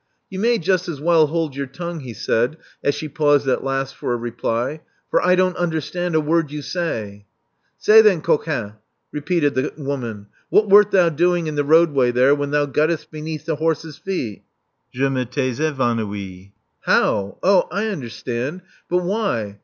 You may just as well hold your tongue," he said, as she paused at last for a reply; "for I don't under stand a word you say." Say then, coquin," repeated the woman, what wert thou doing in the roadway there when thou gotst beneath the horse's feet?" Je' m*6tais ^vanoui." How? Ah, I understand. But why?